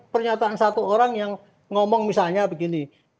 pernyataan satu orang yang ngomong misalnya begini